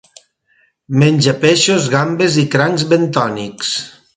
Menja peixos, gambes i crancs bentònics.